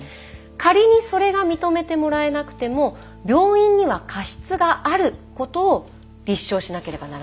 仮にそれが認めてもらえなくても病院には過失があることを立証しなければならないんです。